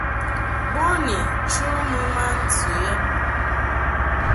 Boni cho mɨ ma ntɨ yab.